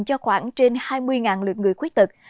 cho khoảng trên hai mươi lượt người khuyết tực